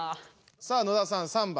さあ野田さん３番。